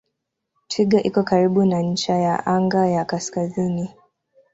Twiga iko karibu na ncha ya anga ya kaskazini.